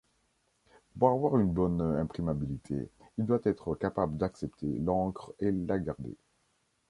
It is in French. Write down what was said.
Pour avoir une bonne imprimabilité, il doit être capable d'accepter l'encre et la garder.